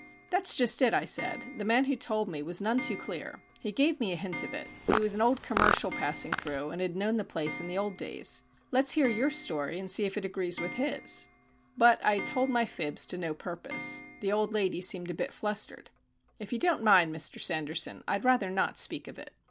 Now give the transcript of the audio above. "That's just it," I said. "The man who told me was none too clear. He gave me a hint of it. He was an old commercial passing through, and had known the place in the old days. Let's hear your story and see if it agrees with his." But I had told my fibs to no purpose. The old lady seemed a bit flustered. "If you don't mind, Mr Sanderson, I'd rather not speak of it."